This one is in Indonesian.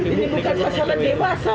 ini bukan masalah dewasa